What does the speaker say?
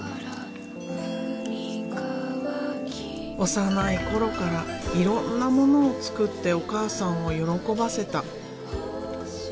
幼い頃からいろんなものを作ってお母さんを喜ばせた。